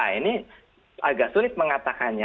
ini agak sulit mengatakannya